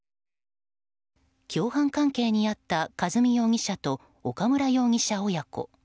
共犯関係にあった和美容疑者と岡村容疑者親子。